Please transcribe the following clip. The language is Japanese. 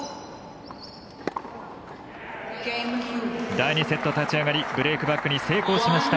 第２セット、立ち上がりブレークバックに成功しました。